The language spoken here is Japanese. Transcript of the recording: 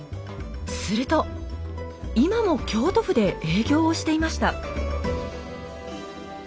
すると今も京都府で営業をしていました。